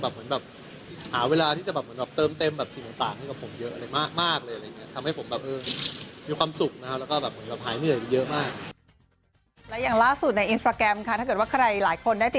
เหมือนหาเวลาที่จะเติมสิ่งต่างให้กับผมเยอะมากเลย